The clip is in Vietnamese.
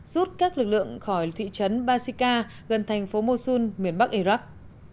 rút các lực lượng khỏi thị trấn basika gần thành phố mosun miền bắc iraq